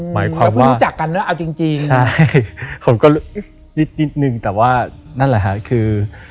หมายความว่าใช่ผมก็รู้นิดนึงแต่ว่านั่นแหละครับ